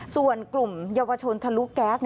ส่วนกลุ่มเยาวชนทะลุแก๊ส